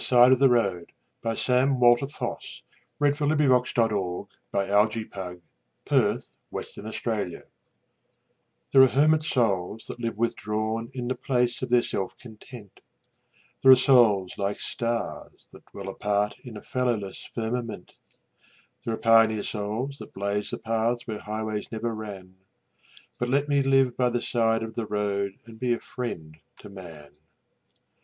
E F . G H . I J . K L . M N . O P . Q R . S T . U V . W X . Y Z The House by the Side of the Road THERE are hermit souls that live withdrawn In the place of their self content; There are souls like stars, that dwell apart, In a fellowless firmament; There are pioneer souls that blaze the paths Where highways never ran But let me live by the side of the road And be a friend to man.